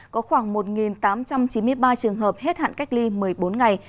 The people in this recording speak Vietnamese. có khoảng một tám trăm chín mươi ba trường hợp hết hạn cách ly một mươi bốn ngày